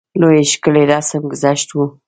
لوی ښکلی رسم ګذشت وو.